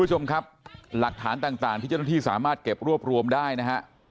กลุ่มครับหลักฐานต่างพิชาทัยที่สามารถเก็บรวบรวมได้นะฮะ